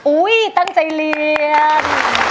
อุ้ยตั้งใจเรียน